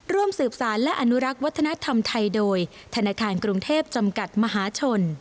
ร่วมสืบสารและอนุรักษ์วัฒนธรรมไทยโดยธนาคารกรุงเทพจำกัดมหาชน